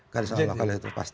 karena salah kalau itu pasti